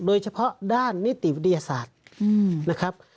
โดยเฉพาะด้านนิติวิทยาศาสตร์นะครับ